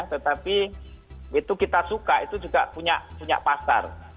tetapi itu kita suka itu juga punya pasar